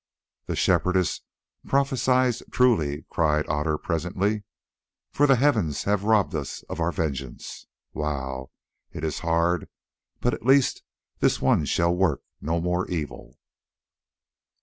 "The Shepherdess prophesied truly," cried Otter presently, "for the Heavens above have robbed us of our vengeance. Wow! it is hard, but at least this one shall work no more evil."